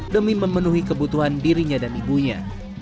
demi memenuhi kebutuhan dirinya dan ibunya